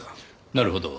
なるほど。